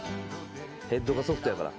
ヘッドがソフトやから。